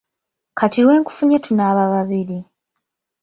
Kati lwe nkufunye tunaaba babiri.